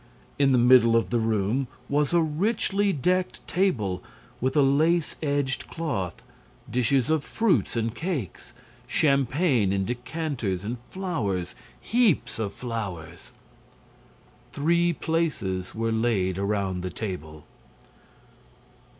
In the middle of the room was a richly decked table, with a lace edged cloth, dishes of fruits and cakes, champagne in decanters and flowers, heaps of flowers. Three places were laid around the table.